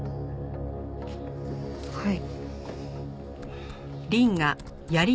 はい。